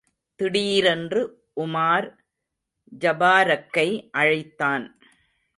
திடீரென்று உமார் ஜபாரக்கை அழைத்தான்.